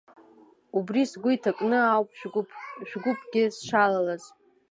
Убри сгәы иҭакны ауп шәгәыԥгьы сшалалаз.